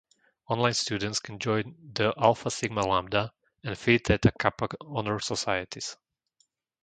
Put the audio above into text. Online students can join the Alpha Sigma Lambda and Phi Theta Kappa honor societies.